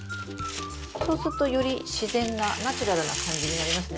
そうするとより自然なナチュラルな感じになりますね。